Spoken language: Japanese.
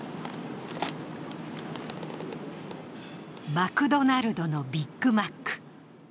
マクドナルドのビッグマック。